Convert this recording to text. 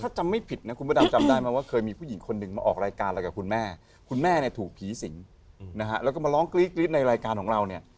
ถ้าจำไม่ผิดนะคุณพระดำจำได้ไหมว่าเคยมีผู้หญิงคนหนึ่งมาออกรายการอะไรกับคุณแม่คุณแม่เนี่ยถูกผีสิงนะฮะแล้วก็มาร้องกรี๊ดในรายการของเราเนี่ย